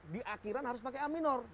di akhiran harus pakai a minor